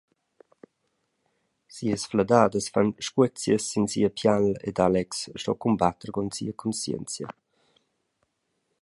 Sias fladadas fan sguezias sin sia pial ed Alex sto cumbatter cun sia cunscienzia.